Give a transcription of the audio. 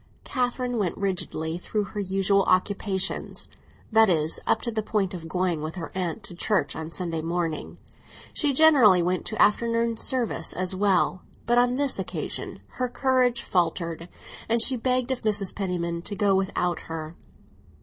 Catherine went rigidly through her usual occupations; that is, up to the point of going with her aunt to church on Sunday morning. She generally went to afternoon service as well; but on this occasion her courage faltered, and she begged of Mrs. Penniman to go without her.